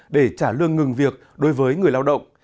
để trả lương ngừng việc đối với người lao động